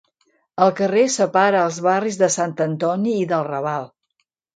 El carrer separa els barris de Sant Antoni i del Raval.